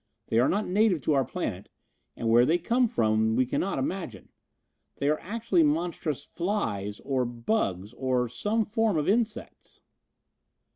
They are not native to our planet, and where they come from we cannot imagine. They are actually monstrous flys, or bugs, or some form of insects."